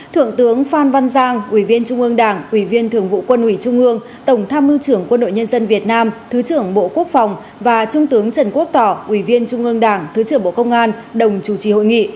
thượng tướng phan văn giang ủy viên trung ương đảng ủy viên thường vụ quân ủy trung ương tổng tham mưu trưởng quân đội nhân dân việt nam thứ trưởng bộ quốc phòng và trung tướng trần quốc tỏ ủy viên trung ương đảng thứ trưởng bộ công an đồng chủ trì hội nghị